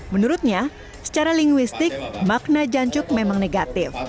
menurutnya secara linguistik makna jancuk memang negatif